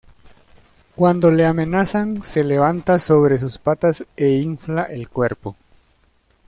Cuando le amenazan se levanta sobre sus patas e infla el cuerpo.